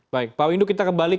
baik pak windu kita kembali